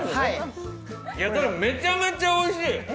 めちゃめちゃおいしい。